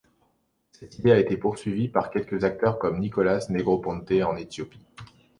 Cette idée a été poursuivie par quelques acteurs comme Nicholas Negroponte en Ethiopie.